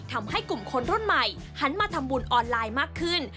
ทำให้กลุ่มคนรุ่นใหม่หันมาทำบุญออนไลน์มากขึ้น